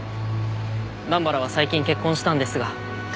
段原は最近結婚したんですが。